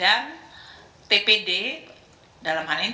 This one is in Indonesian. dan tpd dalam hal ini